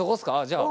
じゃあ。